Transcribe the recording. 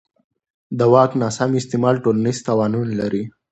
د واک ناسم استعمال ټولنیز تاوانونه لري